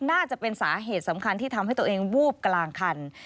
น่าจะเป็นสาเหตุสำคัญที่ทำให้ตัวเองวูบกลางคัน